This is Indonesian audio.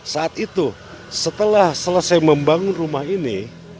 saat itu setelah selesai membangun rumah ini